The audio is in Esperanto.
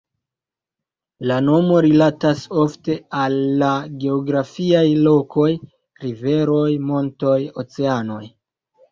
La nomo rilatas ofte al la geografiaj lokoj: riveroj, montoj, oceanoj.